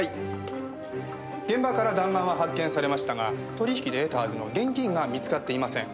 現場から弾丸は発見されましたが取引で得たはずの現金が見つかっていません。